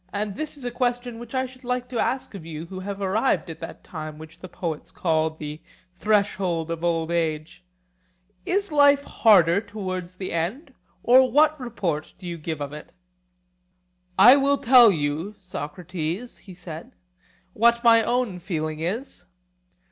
And this is a question which I should like to ask of you who have arrived at that time which the poets call the 'threshold of old age'—Is life harder towards the end, or what report do you give of it? I will tell you, Socrates, he said, what my own feeling is.